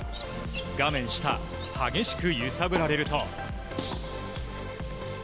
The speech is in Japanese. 画面下、激しく揺さぶられると。